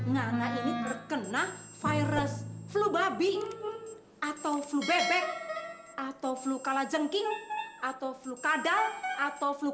nana ini terkena virus flu babi atau flu bebek atau flu kalajengking atau flu kadal atau flu